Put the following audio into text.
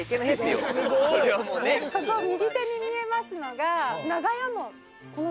右手に見えますのが。